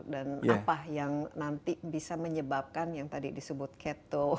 dan apa yang nanti bisa menyebabkan yang tadi disebut keto